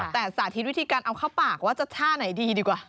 แต่สาธิตวิธีการเอาเข้าปากว่าจะท่าไหนดีดีกว่า